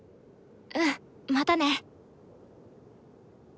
うんまたね！